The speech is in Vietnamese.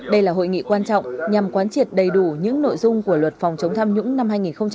đây là hội nghị quan trọng nhằm quán triệt đầy đủ những nội dung của luật phòng chống tham nhũng năm hai nghìn một mươi chín